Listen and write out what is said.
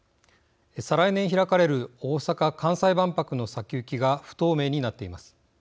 再来年開かれる大阪・関西万博の先行きが不透明になっています。